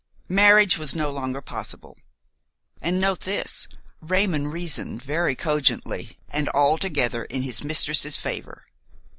Marriage was no longer possible; and note this: Raymon reasoned very cogently and altogether in his mistress's favor.